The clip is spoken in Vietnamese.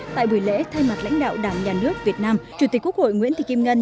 tại buổi lễ thay mặt lãnh đạo đảng nhà nước việt nam chủ tịch quốc hội nguyễn thị kim ngân